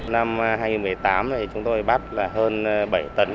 năm hai nghìn một mươi tám chúng tôi bắt hơn bảy tấn